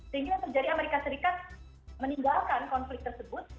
sehingga yang terjadi amerika serikat meninggalkan konflik tersebut